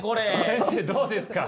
先生どうですか？